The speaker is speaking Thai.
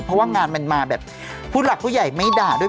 เพราะว่างานมันมาแบบผู้หลักผู้ใหญ่ไม่ด่าด้วย